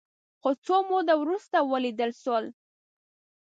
خو څه موده وروسته ولیدل شول